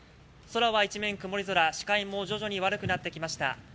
空は一面曇り空視界も徐々に悪くなってきました。